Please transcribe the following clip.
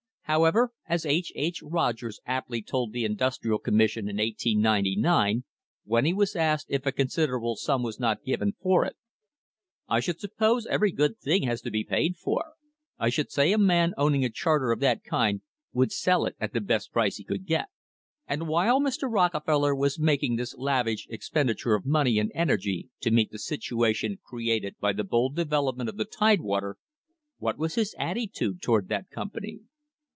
However, as H. H. Rogers aptly told the Industrial Commission in 1899, when he was asked if a considerable sum was not given for it: "I should suppose every good thing had to be paid for; I should say a man owning a charter of that kind would sell it at the best price he could get." And while Mr. Rockefeller was making this lavish ex penditure of money and energy to meet the situation created by the bold development of the Tidewater, what was his atti tude toward that company?